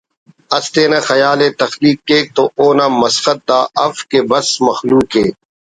اس تینا خیال ءِ تخلیق کیک تو اونا مسخت دا اف کہ بس مخلوق ءِ